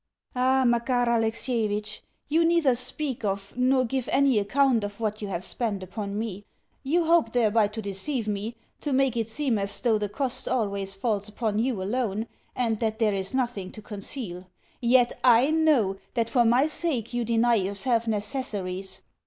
Ah, Makar Alexievitch, you neither speak of nor give any account of what you have spent upon me. You hope thereby to deceive me, to make it seem as though the cost always falls upon you alone, and that there is nothing to conceal. Yet I KNOW that for my sake you deny yourself necessaries.